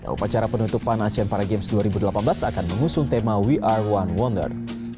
upacara penutupan asean para games dua ribu delapan belas akan mengusung tema we are one wanger